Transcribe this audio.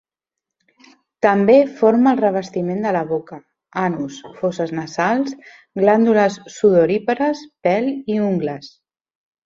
També forma el revestiment de la boca, anus, fosses nasals, glàndules sudorípares, pèl i ungles.